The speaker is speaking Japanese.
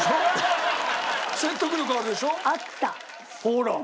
ほら！